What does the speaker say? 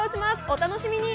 お楽しみに。